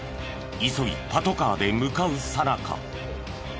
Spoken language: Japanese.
急ぎパトカーで向かうさなか。